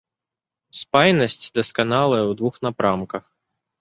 Спайнасць дасканалая ў двух напрамках.